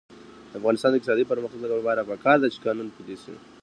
د افغانستان د اقتصادي پرمختګ لپاره پکار ده چې قانون پلی شي.